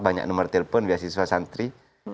banyak nomor telepon beasiswa santri